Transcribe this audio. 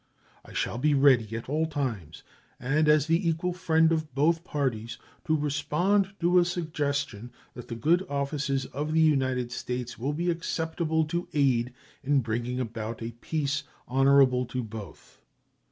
I shall be ready at all times, and as the equal friend of both parties, to respond to a suggestion that the good offices of the United States will be acceptable to aid in bringing about a peace honorable to both.